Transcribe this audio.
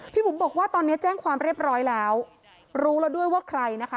บุ๋มบอกว่าตอนนี้แจ้งความเรียบร้อยแล้วรู้แล้วด้วยว่าใครนะคะ